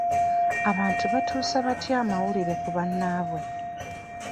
Abantu batuusa batya amawulire ku bannaabwe?